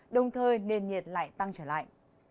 đồng thời nền nhiệt lại tăng trở lại